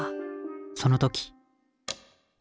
その時あ！